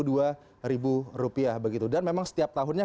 dan memang setiap tahunnya kementerian keuangan dan kesehatan